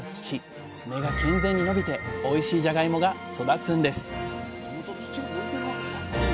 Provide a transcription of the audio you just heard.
根が健全に伸びておいしいじゃがいもが育つんです